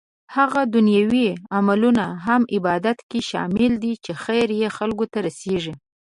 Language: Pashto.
هغه دنيوي عملونه هم عبادت کې شامل دي چې خير يې خلکو ته رسيږي